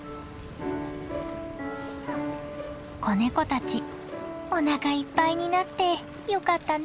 子ネコたちおなかいっぱいになってよかったね。